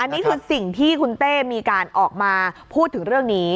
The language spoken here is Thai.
นี่คือสิ่งที่คุณเต้มีการออกมาพูดถึงเรื่องนี้